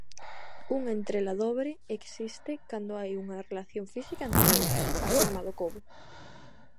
Unha entrela dobre existe cando hai unha relación física entre elas, afirma Docobo.